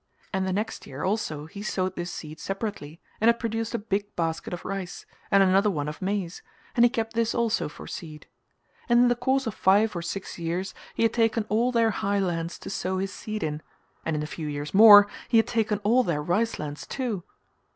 And the next year also he sowed this seed separately and it produced a big basket of rice and another one of maize, and he kept this also for seed; and in the course of five or six years he had taken all their high lands to sow his seed in and in a few years more he had taken all their rice lands too.